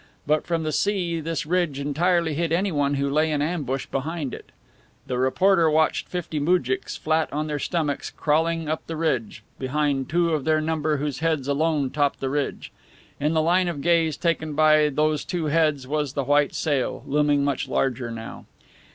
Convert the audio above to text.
But from the sea this ridge entirely hid anyone who lay in ambush behind it. The reporter watched fifty moujiks flat on their stomachs crawling up the ridge, behind two of their number whose heads alone topped the ridge. In the line of gaze taken by those two heads was the white sail, looming much larger now.